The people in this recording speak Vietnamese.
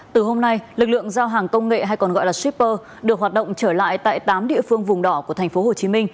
từ hôm nay lực lượng giao hàng công nghệ hay còn gọi là shipper được hoạt động trở lại tại tám địa phương vùng đỏ của tp hcm